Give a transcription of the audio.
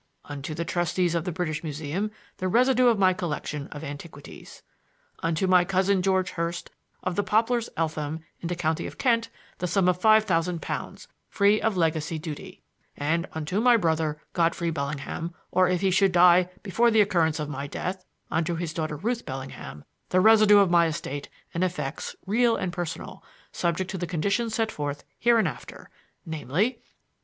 "Unto the trustees of the British Museum the residue of my collection of antiquities. "Unto my cousin George Hurst of the Poplars Eltham in the county of Kent the sum of five thousand pounds free of legacy duty and unto my brother Godfrey Bellingham or if he should die before the occurrence of my death unto his daughter Ruth Bellingham the residue of my estate and effects real and personal subject to the conditions set forth hereinafter namely: "2.